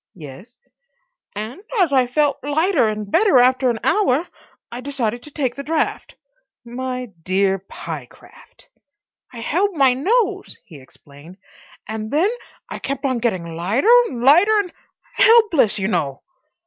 "Yes?" "And as I felt lighter and better after an hour, I decided to take the draught." "My dear Pyecraft!" "I held my nose," he explained. "And then I kept on getting lighter and lighter—and helpless, you know."